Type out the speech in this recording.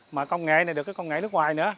mà công nghệ này được cái công nghệ nước ngoài nữa